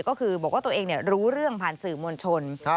ก็คือบอกว่าตัวเองรู้เรื่องผ่านสื่อมวลชน